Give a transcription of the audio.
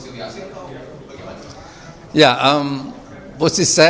sebagai suatu hal yang baik untuk rekonsiliasi atau bagaimana